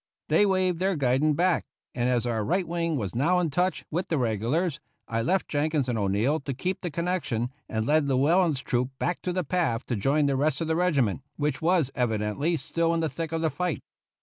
They waved their guidon back, and as our right wing was now in touch with the regulars, I left Jenkins and O'Neill to keep the connection, and led Llewellen's troop back to the path to join the rest of the regiment, which was evidently still in the thick of the fight.